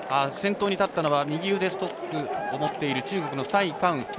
先頭に立ったのは右腕にストックを持っている中国の蔡佳雲。